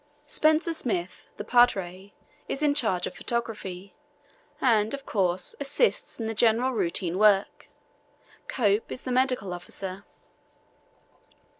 Spencer Smith, the padre, is in charge of photography, and, of course, assists in the general routine work. Cope is the medical officer.